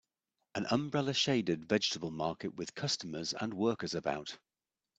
An umbrellashaded vegetable market with customers and workers about.